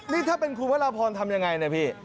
นี่ถ้าเป็นครูพระราพรทำอย่างไรนะพี่